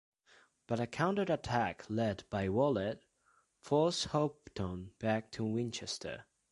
But a counter-attack led by Waller forced Hopton back to Winchester.